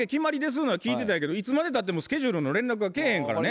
ゆうのは聞いてたんやけどいつまでたってもスケジュールの連絡が来えへんからね。